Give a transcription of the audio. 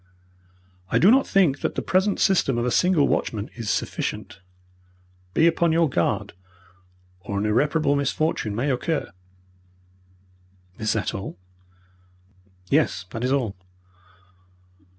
I do not think that the present system of a single watchman is sufficient. Be upon your guard, or an irreparable misfortune may occur.'" "Is that all?" "Yes, that is all."